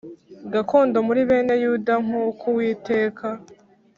gakondo muri bene Yuda nk uko Uwiteka